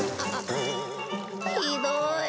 ひどい。